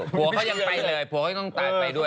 ปัวกก็ยังตายไปด้วย